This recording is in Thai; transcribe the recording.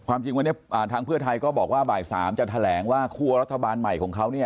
ความจริงว่าทางเพื่อไทยก็บอกว่าบ่าย๓จะแถลงว่าครัวรัฐบาลใหม่ของเขา